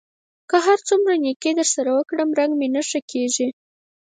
که هر څومره نېکي در سره وکړم؛ رنګ مې نه در ښه کېږي.